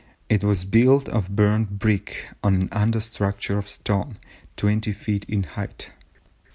It was built of burnt brick on an under structure of stone 20 feet in height.